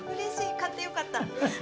買ってよかった。